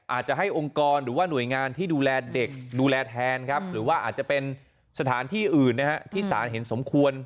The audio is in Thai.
อาจจะให้องค์กรหรือว่าหน่วยงานที่ดูแลเด็กดูแลแทนครับหรือว่าอาจจะเป็นสถานที่อื่นที่สารเห็นสมควร